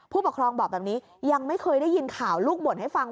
ผู้ปกครองบอกแบบนี้ยังไม่เคยได้ยินข่าวลูกบ่นให้ฟัง